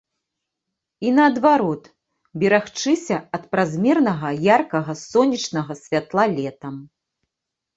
І наадварот, берагчыся ад празмерна яркага сонечнага святла летам.